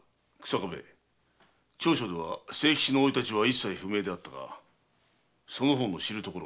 調書では清吉の生い立ちは一切不明だがその方の知るところは？